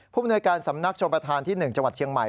มนวยการสำนักชมประธานที่๑จังหวัดเชียงใหม่